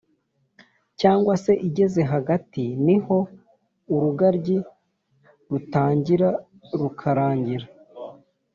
cyangwa se igeze hagati, ni ho urugaryi rutangira rukarangira